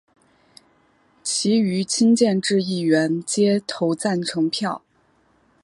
其余亲建制议员皆投赞成票。